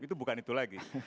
itu bukan itu lagi